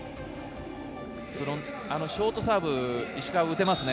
ショートサーブ、石川は打てますね。